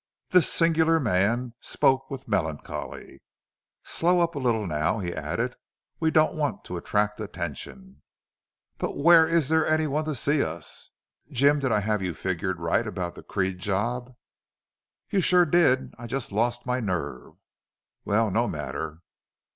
This singular man spoke with melancholy. "Slow up a little now," he added. "We don't want to attract attention.... But where is there any one to see us?... Jim, did I have you figured right about the Creede job?" "You sure did. I just lost my nerve." "Well, no matter."